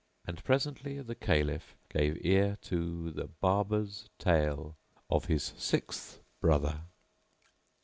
And presently the Caliph gave ear to The Barber's Tale of his Sixth Brother.